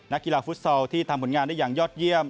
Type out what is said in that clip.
กีฬาฟุตซอลที่ทำผลงานได้อย่างยอดเยี่ยม